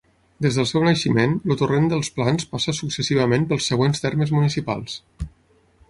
Des del seu naixement, el Torrent dels Plans passa successivament pels següents termes municipals.